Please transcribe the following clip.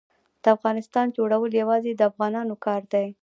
د افغانستان جوړول یوازې د افغانانو کار دی.